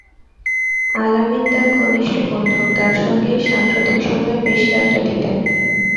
আল-আমিন তাঁর ঘনিষ্ঠ বন্ধু, তাঁর সঙ্গেই সাম্প্রতিক সময়ে বেশি আড্ডা দিতেন।